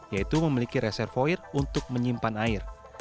yaitu memiliki reservoir untuk menyimpan air